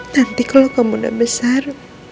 nanti kalau kamu udah besar